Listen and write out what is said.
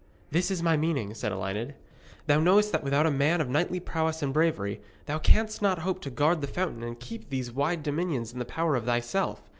'This is my meaning,' said Elined. 'Thou knowest that without a man of knightly prowess and bravery, thou canst not hope to guard the fountain and keep these wide dominions in the power of thyself.